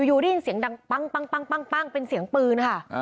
อยู่ได้ยินเสียงดังปั้งเป็นเสียงปืนค่ะ